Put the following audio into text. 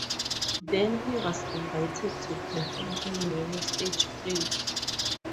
Then he was invited to perform in many stage plays.